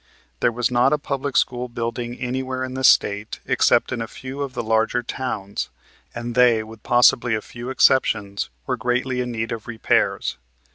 There was not a public school building anywhere in the State except in a few of the larger towns, and they, with possibly a few exceptions, were greatly in need of repairs.